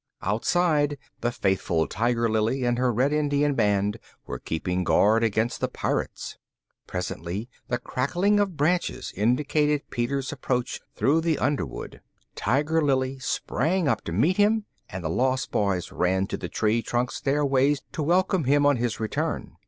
Outside, the faithful Tiger Lily and her Red Indian band were keeping guard against the Pirates. Presently the crackling of branches indicated Peter's approach through the underwood. Tiger Lily sprang up to meet him, and the Lost Boys ran to the tree trunk stairways to welcome him on his return.